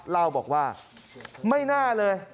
เล่าบอกว่าไม่น่าเลย